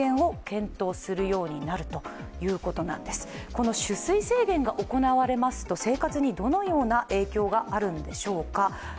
この取水制限が行われますと、生活にどのような影響があるんでしょうか。